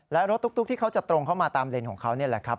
และรถตุ๊กที่เขาจะตรงเข้ามาตามเลนของเขานี่แหละครับ